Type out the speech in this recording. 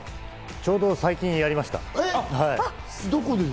ちょうど最近やりました。